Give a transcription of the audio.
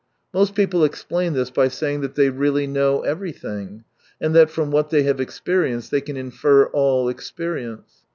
Most people explain this by say ing that they really know everything, and that from what they have experienced they can infer all experience.